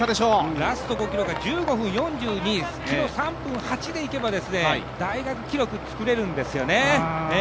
ラスト５ｋｍが１５分４２、キロ３分８でいけば大学記録作れるんですよね。